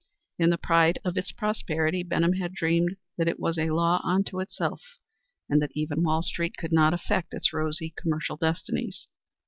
In the pride of its prosperity Benham had dreamed that it was a law unto itself, and that even Wall street could not affect its rosy commercial destinies.